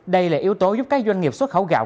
đây là yếu tố giúp các doanh nghiệp xuất khẩu gạo